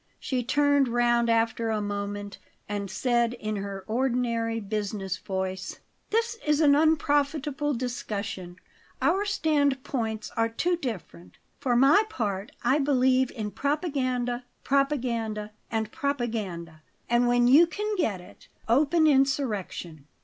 She turned round after a moment and said in her ordinary business voice: "This is an unprofitable discussion. Our standpoints are too different. For my part, I believe in propaganda, propaganda, and propaganda; and when you can get it, open insurrection."